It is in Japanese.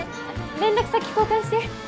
連絡先交換して！